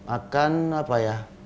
akan apa ya